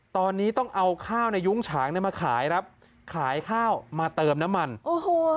ตอนนี้ต้องเอาข้าวในยุ้งฉางเนี่ยมาขายครับขายข้าวมาเติมน้ำมันโอ้โห